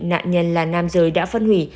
nạn nhân là nam giới đã phân hủy